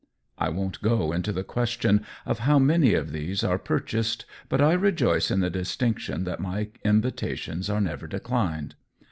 I won't go into the question of how many of these are purchased, but I rejoice in the distinction that my invitations are never declined.